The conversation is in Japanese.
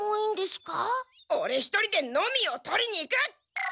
オレ一人でノミを取りに行く！